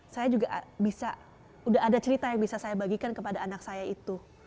saya juga bisa udah ada cerita yang bisa saya bagikan kepada anak saya itu